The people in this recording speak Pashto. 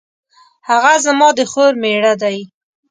هغه زما د خور میړه دی